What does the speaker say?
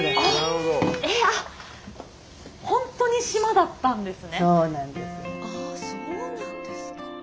ああそうなんですか。